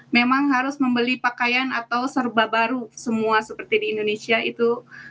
memang harus membeli pakaian atau serba baru semua seperti di indonesia itu